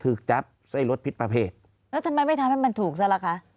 คือจับไส้รสผิดประเภทแล้วทำไมไม่ทำให้มันถูกซะล่ะคะ